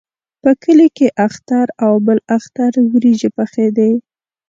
په کلي کې اختر او بل اختر وریجې پخېدې.